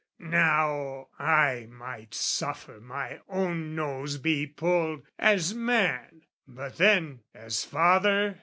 Now, I might suffer my own nose be pulled, As man but then as father...